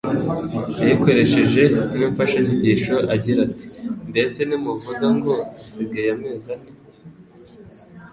yayikoresheje nk’imfashanyigisho agira ati: “Mbese ntimuvuga ngo ‘hasigaye amezi ane